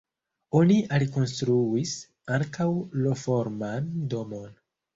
Oni alkonstruis ankaŭ L-forman domon.